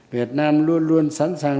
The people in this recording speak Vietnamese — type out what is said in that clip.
việt nam luôn luôn sẵn sàng